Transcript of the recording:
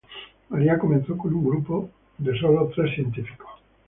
María comenzó con un grupo de sólo tres científicos.